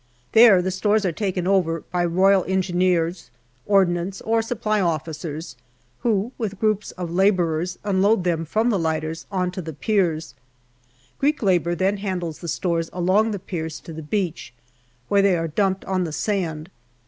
There the stores are taken over by R.E., Ordnance, or Supply Officers, who with groups of labourers unload them from the lighters on to the piers. Greek labour then handles the stores along the piers to the beach, where they are dumped on the sand.